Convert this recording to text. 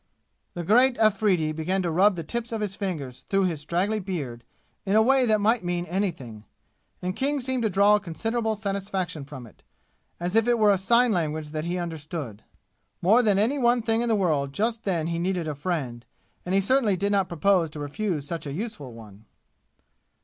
The great Afridi began to rub the tips of his fingers through his straggly beard in a way that might mean anything, and King seemed to draw considerable satisfaction from it, as if it were a sign language that he understood. More than any one thing in the world just then he needed a friend, and he certainly did not propose to refuse such a useful one.